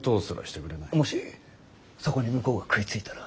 もしそこに向こうが食いついたら？